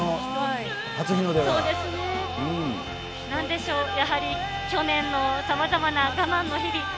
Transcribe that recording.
なんでしょう、やはり、去年のさまざまな我慢の日々。